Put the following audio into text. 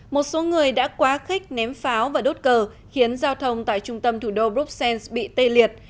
một số người đã quá khích ném pháo và đốt cờ khiến giao thông tại trung tâm thủ đô bruxelles bị tê liệt